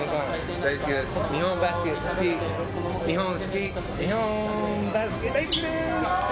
大好き、日本好き、日本バスケ大好きでーす。